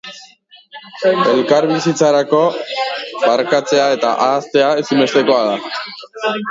Elkarbizitzarako, barkatzea eta ahaztea, ezinbestekoa da.